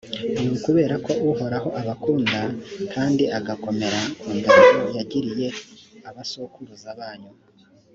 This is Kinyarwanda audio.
ni ukubera ko uhoraho abakunda kandi agakomera ku ndahiro yagiriye abasokuruza banyu.